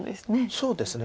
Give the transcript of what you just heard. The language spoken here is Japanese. そうですね。